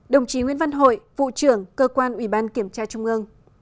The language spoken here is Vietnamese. đồng chí nguyễn văn hội vụ trưởng cơ quan ủy ban kiểm tra trung ương